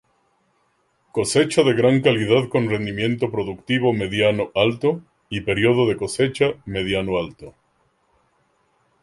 Cosecha de gran calidad con rendimiento productivo mediano-alto y periodo de cosecha mediano alto.